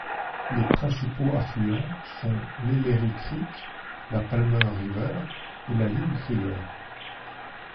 Les principaux affluents sont l'Ellery Creek, la Palmer River et la Hugh River.